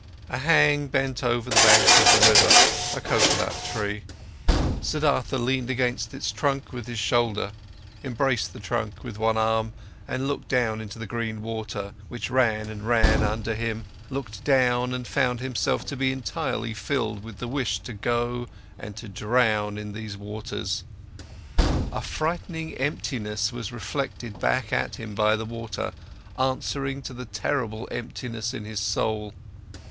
A hang bent over the bank of the river, a coconut tree; Siddhartha leaned against its trunk with his shoulder, embraced the trunk with one arm, and looked down into the green water, which ran and ran under him, looked down and found himself to be entirely filled with the wish to let go and to drown in these waters. A frightening emptiness was reflected back at him by the water, answering to the terrible emptiness in his soul.